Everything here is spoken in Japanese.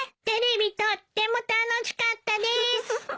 テレビとっても楽しかったです。